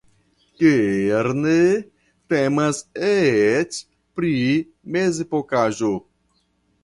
Kerne temas eĉ pri mezepokaĵo!